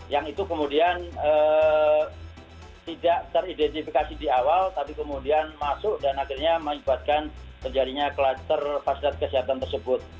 yang itu kemudian tidak teridentifikasi di awal tapi kemudian masuk dan akhirnya mengibatkan terjadinya kluster fasilitas kesehatan tersebut